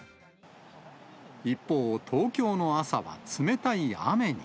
一方、東京の朝は冷たい雨に。